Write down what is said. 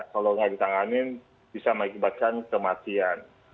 kalau nggak ditanganin bisa mengakibatkan kematian